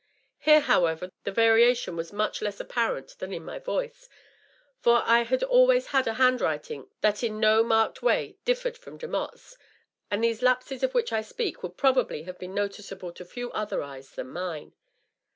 Here, how ever, the variation was much less apparent than in my voice, for I had always had a handwriting that in no marked way differed from De motte's, and these lapses of which I speak would probably have been noticeable to few other eyes than mine.